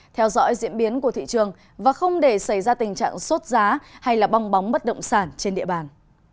theo dõi diễn biến của thị trường và không để xảy ra tình trạng sốt giá hay bong bóng bất động sản trên địa bàn